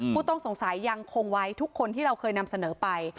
ผู้ต้องสงสัยยังคงไว้ทุกคนที่เราเคยนำเสนอไป